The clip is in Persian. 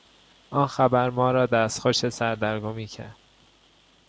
آن خبر ما را دستخوش سردرگمی کرد.